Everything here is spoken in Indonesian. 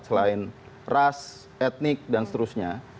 selain ras etnik dan seterusnya